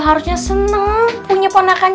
harusnya seneng punya ponakan